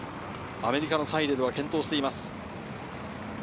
アメリカのサイデルは健闘しています。